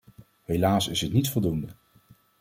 Helaas is het niet voldoende.